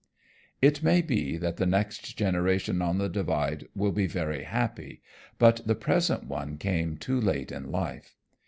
It may be that the next generation on the Divide will be very happy, but the present one came too late in life.